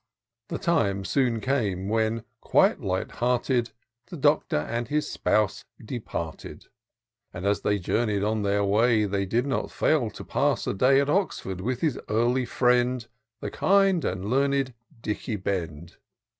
The time soon came, when, quite light hearted. The Doctor and his spouse departed: And as they joumey'd on their way. They did not fail to pass a day At Oxford, with his early friend. The kind and learned Dicky Bend.